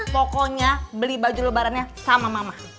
pokoknya beli baju lebarannya sama mama